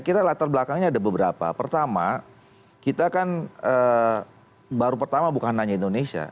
kita latar belakangnya ada beberapa pertama kita kan baru pertama bukan hanya indonesia